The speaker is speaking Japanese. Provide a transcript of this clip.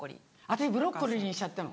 私ブロッコロリンしちゃったの。